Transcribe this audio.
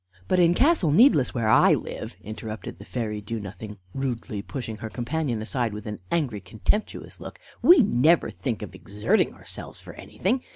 "But in Castle Needless, where I live," interrupted the fairy Do nothing, rudely pushing her companion aside with an angry, contemptuous look, "we never think of exerting ourselves for anything.